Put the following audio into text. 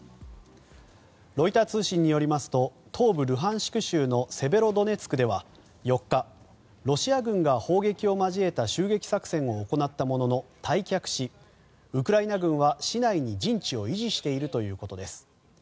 ロイター通信によりますと東部ルハンシク州のセベロドネツクでは４日、ロシア軍が砲撃を交えた襲撃作戦を行ったものの退却しウクライナ軍は市内に陣地を維持しているということです。